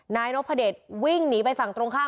นายนพเดชวิ่งหนีไปฝั่งตรงข้าม